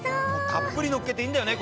たっぷりのっけていいんだよね